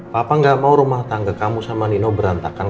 papa gak mau rumah tangga kamu sama nino berantakan